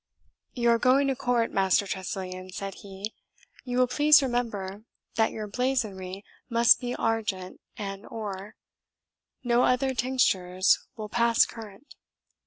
"You are going to court, Master Tressilian," said he; "you will please remember that your blazonry must be ARGENT and OR no other tinctures will pass current."